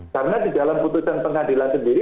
karena di dalam keputusan pengadilan sendiri